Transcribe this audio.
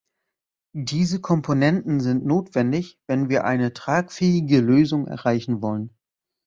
Diese Komponenten sind notwendig, wenn wir eine tragfähige Lösung erreichen wollen.